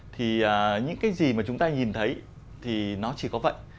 thì những cái gì mà chúng ta nhìn thấy thì nó chỉ có vậy